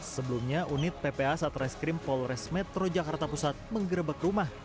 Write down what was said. sebelumnya unit ppa satreskrim polres metro jakarta pusat menggerebek rumah